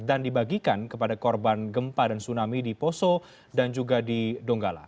dan dibagikan kepada korban gempa dan tsunami di poso dan juga di donggala